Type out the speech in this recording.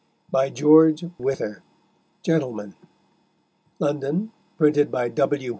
By George Wyther, Gentleman. London, printed by W.